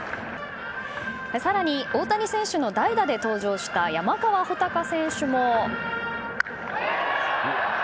更に、大谷選手の代打で登場した山川穂高選手も。